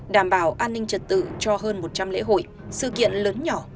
đảm bảo an ninh trật tự cho hơn một trăm linh lễ hội sự kiện lớn nhỏ